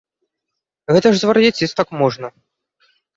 Гэта ж звар'яцець так можна!